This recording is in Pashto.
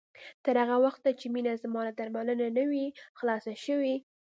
تر هغه وخته چې مينه زما له درملنې نه وي خلاصه شوې